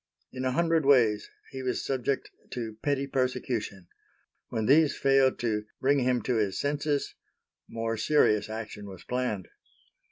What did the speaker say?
In a hundred ways he was subject to petty persecution. When these failed to "bring him to his senses," more serious action was planned.